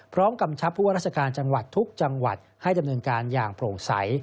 กำชับผู้ว่าราชการจังหวัดทุกจังหวัดให้ดำเนินการอย่างโปร่งใส